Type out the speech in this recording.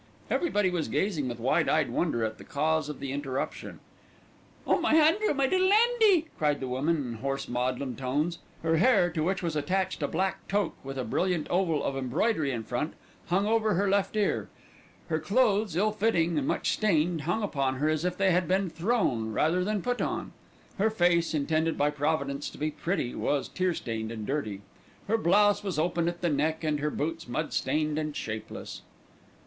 Everybody was gazing with wide eyed wonder at the cause of the interruption. "Oh! my Andrew, my little Andy!" cried the woman in hoarse maudlin tones. Her hair, to which was attached a black toque with a brilliant oval of embroidery in front, hung over her left ear. Her clothes, ill fitting and much stained, hung upon her as if they had been thrown rather than put on. Her face, intended by Providence to be pretty, was tear stained and dirty. Her blouse was open at the neck and her boots mud stained and shapeless.